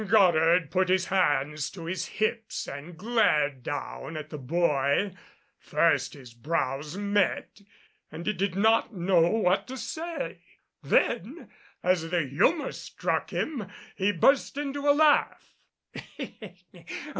Goddard put his hands to his hips and glared down at the boy. First his brows met and he did not know what to say. Then, as the humor struck him, he burst into a laugh.